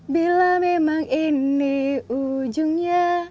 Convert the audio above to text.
bila memang ini ujungnya